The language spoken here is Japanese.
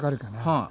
はい。